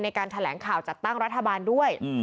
ในการแถลงข่าวจัดตั้งรัฐบาลด้วย